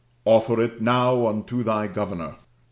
"Offer it now unto thy governor."